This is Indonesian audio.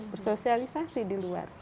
bersosialisasi di luar